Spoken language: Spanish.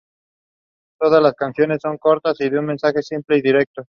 Todas las canciones son cortas y de un mensaje simple y directo.